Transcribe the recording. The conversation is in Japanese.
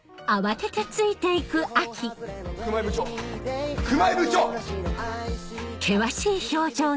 熊井部長熊井部長！